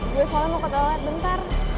dia soalnya mau ke toilet bentar